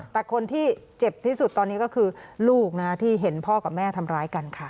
แต่คนที่เจ็บที่สุดตอนนี้ก็คือลูกนะที่เห็นพ่อกับแม่ทำร้ายกันค่ะ